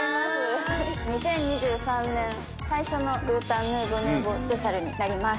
２０２３年最初の「グータンヌーボ２スペシャル」になります。